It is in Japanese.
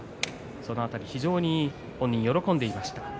その辺り非常に本人喜んでいました。